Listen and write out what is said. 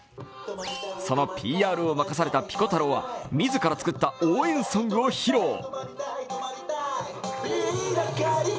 そのＰＲを任されたピコ太郎は自ら作った応援ソングを披露。